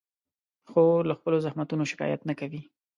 خور له خپلو زحمتونو شکایت نه کوي.